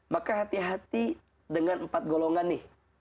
maka hati hati dengan empat golongan nih